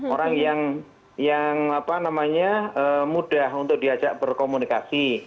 orang yang mudah untuk diajak berkomunikasi